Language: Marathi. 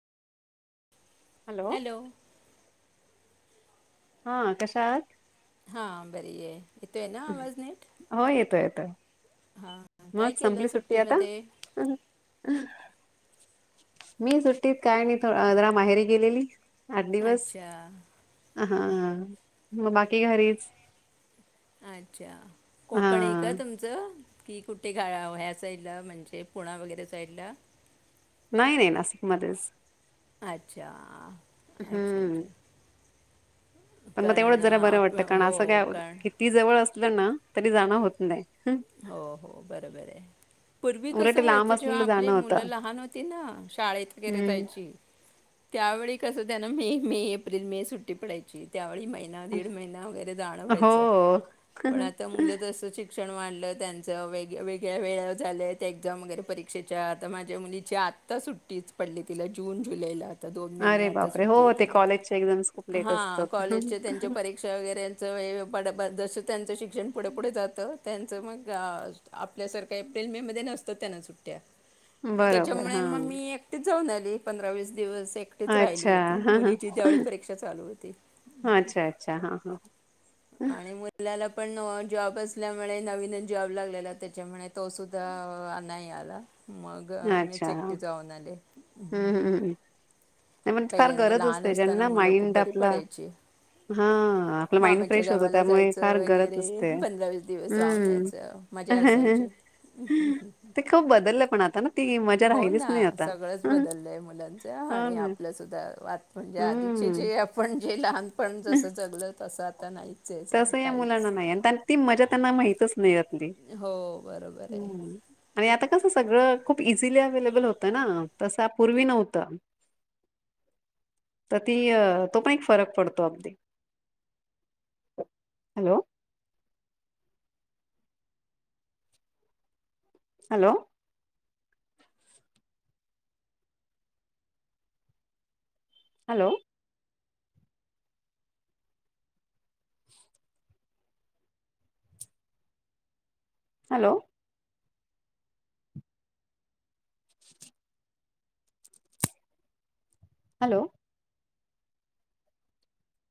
हॅलो! हा कशा आहात? हा बरी आहे येतोय ना आवाज नीट? हो येतो येतो हां मग काय केलं संपली सुट्टी आता? सुट्टीमध्ये हां हां मी सुट्टीत काय नाही जरा माहेरी गेलेली. आठ दिवस अच्छा! ! हा.. मग बाकी घरीच. अच्छा हा कोकण आहे का तुमचं? की कुठे ह्या साइडला म्हणजे पुणा वगैरे साइडला? नाही नाही नाशिकमध्येच. अच्छा! ! हम्म पण म तेवढंच कारण जरा बरं आप वाटतं कारण हो असं काय कारण किती जवळ असलं ना तरी जाणं होत नाय. हो हो बरोबर आहे. पूर्वी उलट कसं लांब व्हायचं जेव्हा असलेलं आपली जाणं मुलं होतं लहान होती ना शाळेत वगैरे हम्म जायची. [inaudible] त्यावेळी कसं त्यांना मे मे एप्रिल मे सुट्टी पडायची त्यावेळी, महिना दीड महिना वगैरे जान हो व्हायचं पण आता जसं मुल जसा शिक्षण वाढला, त्यांच वेगळ्या वेळ झालं ते एक्झाम वगैरे परीक्षेच्या आता माझ्या मुलीची आता सुट टीच पडली तिला जून, जुलैला. दोन महिने अरे आता बापरे हो सुट्टी आहेे ते तिला कॉलेजच्या एक्झाम्स खूप लेट हा असतात कॉलेजच्या त्यांच्या परीक्षा वगैरेच ड्या जसं त्यांचं शिक्षण पुढे पुढे जातं त्यांचं मग आपल्यासारख्या एप्रिल मे मध्ये नसतं त्यांना सुट्ट्या मग बरोबर त्याच्यामुळे हा मग मी एकटेच जाऊन आली पंधरा वीस दिवस. एकटीच राहिली अच्छा होती हां, हां. मुलीचीी त्या्यावेळी परीक्षा चालू होती अच्छा, अच्छा. हां, हां. आणि मुलाला पण जॉब असल्यामुळे नवीन जॉब लागलेला त्याच्यामुळे तो सुुद्धा नाही आला. मग अच्छा. मीच एकटी हं, जाऊन आले हं, हं. नाही पण फार पहिल्यांदा गरज लहान असते असताना ज्यांना मुलं खूप माइंड बरी आपला पडायची हां, आपला माइंड मामा याच्या फ्रेश होतो गावाला त्यामुळे फार जायचं गरज वगैरे असते. पंधरा वीस दिवस राहून हं. यायचं. मजा असायची. ते खूप बदललं पण आता ना ती मजा हो राहिलीच ना नाही आता. सगळंच हो बदललय मुलांच आणि आप ना. आपल सुद्धा वा म्हणजे आधीचे हं. जे आपण जे लहानपण जसं जगल तसं आता नाहीच ये. तसं या मुलांना नाही आणि ती मजा त्यांना मिळत नाही हो बरोबर आहे आणि आता कसं सगळं खूप इझिली अव्लेबल होत ना तस पूर्वी नव्हत तर ती अ तो पण एक फरक पडतो अगदी. Hello. Hello. Hello. Hello. [unintelligible] Hello.